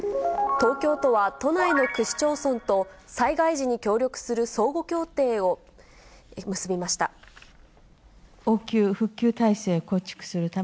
東京都は都内の区市町村と、災害時に協力する相互協定を結びました。